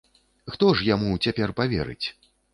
Хто ж яму цяпер паверыць?